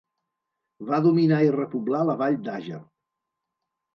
Va dominar i repoblar la vall d'Àger.